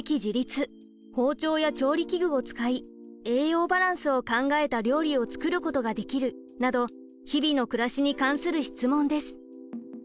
「包丁や調理器具を使い栄養バランスを考えた料理を作ることができる」など日々の暮らしに関する質問です。